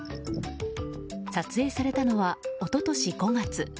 撮影されたのは一昨年５月。